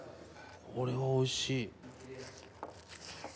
これはおいしい。